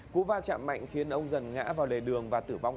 cú va chạm mạnh khiến ông dần ngã vào lề đường và tử vong